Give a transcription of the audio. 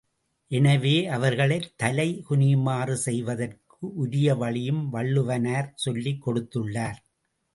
எனவே, அவர்களைத் தலை குனியுமாறு செய்வதற்கு உரிய வழியும் வள்ளுவனார் சொல்லிக் கொடுத்துள்ளார்.